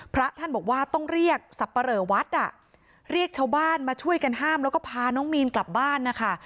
พระท่านบอกว่าต้องเรียกสับปะเหลอวัดอ่ะเรียกชาวบ้านมาช่วยกันห้ามแล้วก็พาน้องมีนกลับบ้านนะคะ